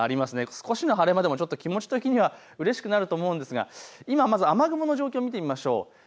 少しの晴れ間でも気持ち的にはうれしくなると思うんですが今、まず雨雲の状況を見てみましょう。